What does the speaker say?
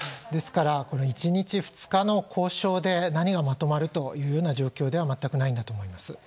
ですから、１日２日の交渉で何がまとまるというような状況ではないと思います。